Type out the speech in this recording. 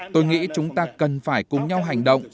tôi nghĩ chúng ta cần phải cùng nhau hành động